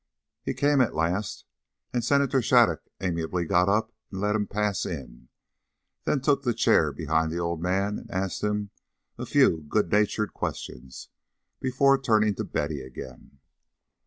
He came at last, and Senator Shattuc amiably got up and let him pass in, then took the chair behind the old man and asked him a few good natured questions before turning to Betty again.